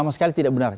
sama sekali tidak benar